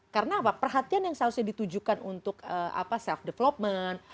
karena apa perhatian yang selalu ditujukan untuk self development